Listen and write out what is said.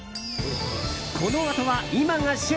このあとは、今が旬